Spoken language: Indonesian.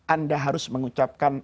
anda harus mengucapkan